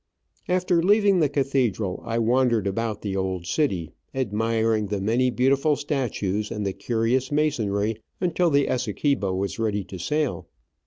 After leaving the cathedral, I wandered about the old city, admiring the many beautiful statues and the curious masonry, until the Essequibo was ready to sail.